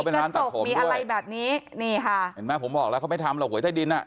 มีกระจกมีอะไรแบบนี้นี่ค่ะเห็นไหมผมบอกแล้วเขาไปทำหวยใต้ดินอ่ะ